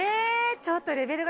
ちょっと。